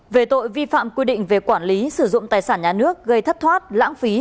về tội vi phạm quy định về quản lý sử dụng tài sản nhà nước gây thất thoát lãng phí